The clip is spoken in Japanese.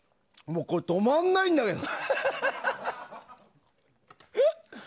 もうこれ止まんないんだけど。